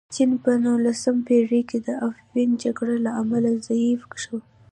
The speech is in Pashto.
چین په نولسمه پېړۍ کې د افیون جګړو له امله ضعیف شو.